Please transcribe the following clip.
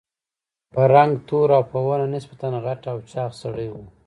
په رنګ تور او په ونه نسبتاً غټ او چاغ سړی و.